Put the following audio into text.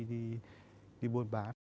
đi buôn bán